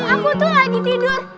aku tuh lagi tidur